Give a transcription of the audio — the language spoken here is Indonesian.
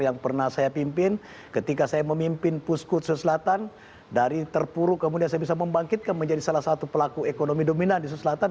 yang pernah saya pimpin ketika saya memimpin puskutsu selatan dari terpuruk kemudian saya bisa membangkitkan menjadi salah satu pelaku ekonomi dominan di sulawesi selatan